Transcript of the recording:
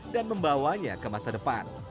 dan membawanya ke masa depan